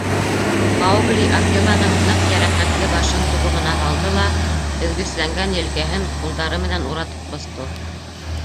Маугли Акеланың ныҡ йәрәхәтле башын тубығына һалды ла өҙгөсләнгән елкәһен ҡулдары менән уратып ҡосто.